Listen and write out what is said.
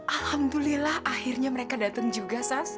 alhamdulillah akhirnya mereka datang juga sas